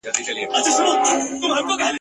ما د خضر پر چینه مړي لیدلي !.